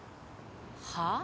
はあ？